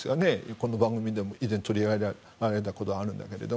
この番組でも以前取り上げたことがあるんだけど。